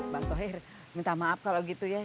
bang tohir minta maaf kalau gitu ya